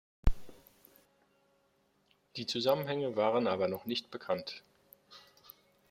Die Zusammenhänge waren aber noch nicht bekannt.